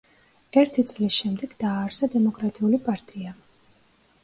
ერთი წლის შემდეგ დააარსა დემოკრატიული პარტია.